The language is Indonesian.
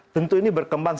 tentu ini berkembang